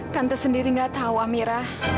tante sendiri gak tahu amira